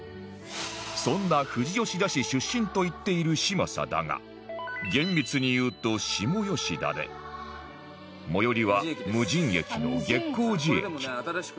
そんな富士吉田市出身と言っている嶋佐だが厳密に言うと下吉田で最寄りは無人駅の月江寺駅